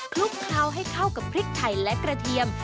ลุกเคล้าให้เข้ากับพริกไทยและกระเทียม